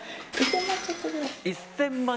１０００万